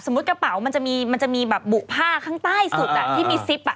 สมมุติกระเป๋ามันจะมีบุ่งผ้าข้างใต้สุดที่มีซิป